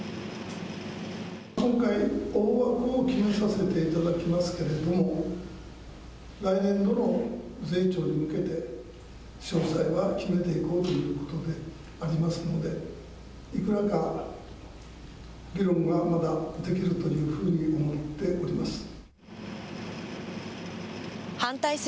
今回、大枠を決めさせていただきますけれども、来年度の税調に向けて、詳細は決めていこうということでありますので、いくらか議論はまだできるというふうに思っております。